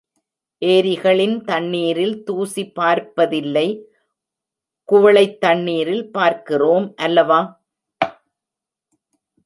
ஏரிகளின் தண்ணிரில் தூசி பார்ப்ப தில்லை குவளைத் தண்ணிரில் பார்க்கிறோம் அல்லவா?